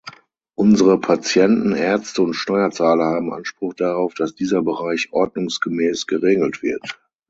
Unsere Patienten, Ärzte und Steuerzahler haben Anspruch darauf, dass dieser Bereich ordnungsgemäß geregelt wird.